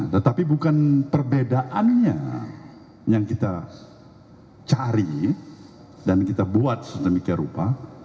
tetapi bukan perbedaannya yang kita cari dan kita buat sedemikian rupa